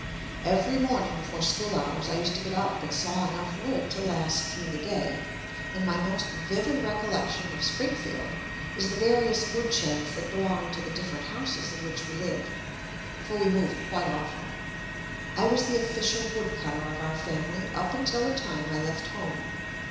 Every morning before school hours I used to get up and saw enough wood to last through the day, and my most vivid recollection of Springfield is the various F*6] ' JUST ME woodsheds that belonged to the different houses in which w r e lived (for we moved quite often), I was the official woodcutter of our family up until the time I left home.